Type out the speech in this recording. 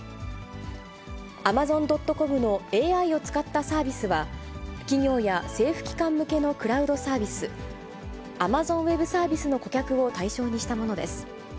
アマゾン・ドット・コムのＡＩを使ったサービスは、企業や政府機関向けのクラウドサービス、アマゾンウェブサービスの顧客を対象にしたものです。